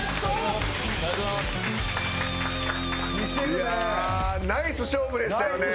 いやあナイス勝負でしたよね。